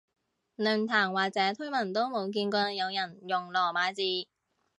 論壇或者推文都冇見過有人用羅馬字